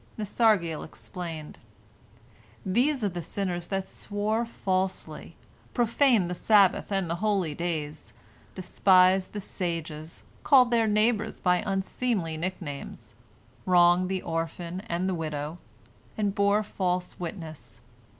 Nasargiel explained: "These are the sinners that swore falsely, profaned the Sabbath and the holy days, despised the sages, called their neighbors by unseemly nicknames, wronged the orphan and the widow, and bore false witness.